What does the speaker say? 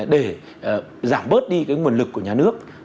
để giảm bớt đi cái nguồn lực của nhà nước